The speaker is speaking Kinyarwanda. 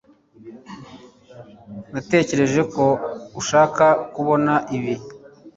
natekereje ko ushaka kubona ibi